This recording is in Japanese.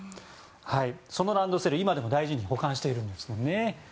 そのランドセルは今でも大事に保管しているんですよね。